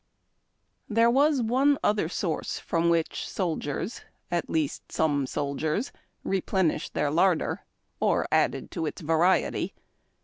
HERE was one other source from which soldiers — at least, some sol diers — replenished their larder, or added to its variety.